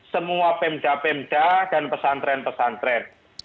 semua pemda pemda dan pesantren pesantren